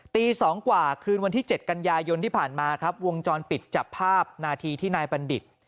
ตี๒กว่าคืนวันที่๗กันยายนที่ผ่านมาครับวงจรปิดจับภาพนาทีที่นายบัณฑิต